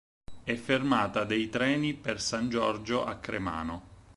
È fermata dei treni per San Giorgio a Cremano.